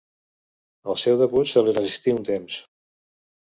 El seu debut se li resistí un temps.